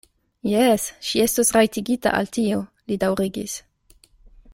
Jes, ŝi estos rajtigita al tio, li daŭrigis.